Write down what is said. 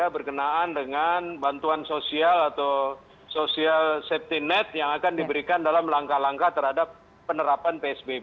berkenaan dengan bantuan sosial atau social safety net yang akan diberikan dalam langkah langkah terhadap penerapan psbb